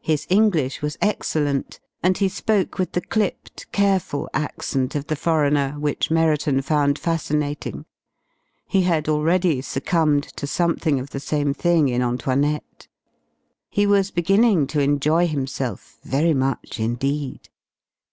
His English was excellent, and he spoke with the clipped, careful accent of the foreigner, which Merriton found fascinating. He had already succumbed to something of the same thing in Antoinette. He was beginning to enjoy himself very much indeed.